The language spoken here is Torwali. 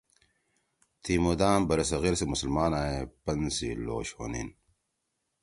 تی مُدام برصغیر سی مسلمانا ئے پن سی لوش ہونیِن